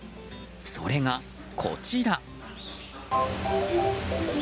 それが、こちら。